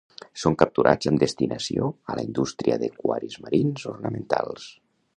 Són capturats amb destinació a la indústria d'aquaris marins ornamentals.